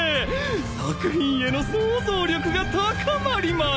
作品への想像力が高まります！